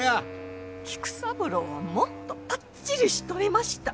菊三郎はもっとパッチリしとりました。